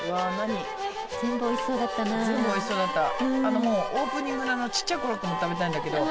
もうオープニングのちっちゃいコロッケも食べたいんだけど。